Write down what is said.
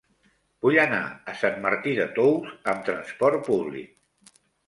Vull anar a Sant Martí de Tous amb trasport públic.